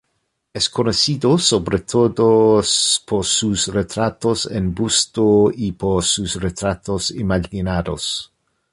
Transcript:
Es conocido sobre todo por sus retratos en busto y por sus retratos imaginados.